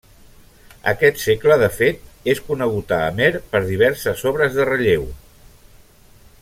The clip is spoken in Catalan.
Aquest segle, de fet, és conegut a Amer per diverses obres de relleu.